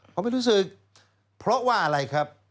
เขาไม่รู้สึกเพราะว่าอะไรครับ